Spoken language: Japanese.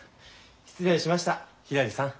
失礼しましたひらりさん。